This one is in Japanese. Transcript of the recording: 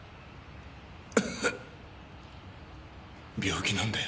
病気なんだよ